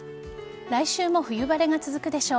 来週も冬晴れが続くでしょう。